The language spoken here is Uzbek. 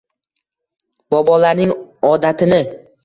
Bobolarning odatini